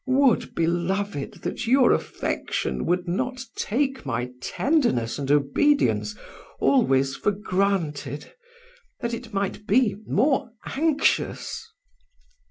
Would, beloved, that your affection would not take my tenderness and obedience always for granted; that it might be more anxious!